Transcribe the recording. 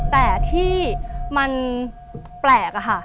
แต่ที่มันแปลกอะค่ะ